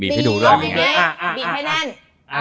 บีบให้ดูตรงน้ำ